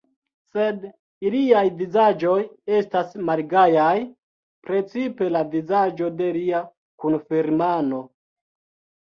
Sed iliaj vizaĝoj estas malgajaj, precipe la vizaĝo de lia kunfirmano.